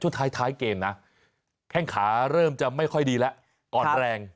ท้ายเกมนะแข้งขาเริ่มจะไม่ค่อยดีแล้วอ่อนแรง